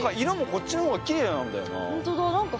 色もこっちの方がきれいなんだよな。